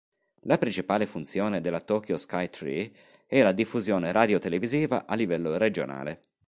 La principale funzione della Tokyo Sky Tree è la diffusione radio-televisiva a livello regionale.